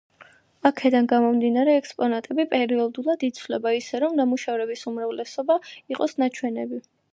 აქედან გამომდინარე, ექსპონატები პერიოდულად იცვლება ისე, რომ ნამუშევრების უმრავლესობა იყოს ნაჩვენები.